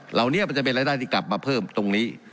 มันจะเป็นรายได้ที่กลับมาเพิ่มตรงนี้